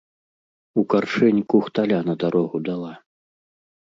У каршэнь кухталя на дарогу дала.